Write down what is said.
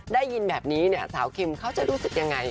ได้ยินแบบนี้เนี่ยสาวคิมเขาจะรู้สึกยังไง